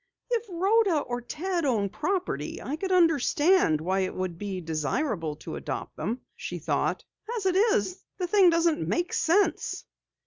"If Rhoda or Ted own property, I could understand why it would be desirable to adopt them," she thought. "As it is, the thing doesn't make sense."